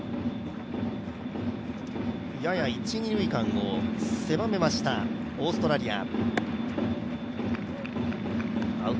やや一・二塁間を狭めました、オーストラリア。